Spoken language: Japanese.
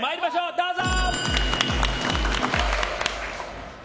どうぞ！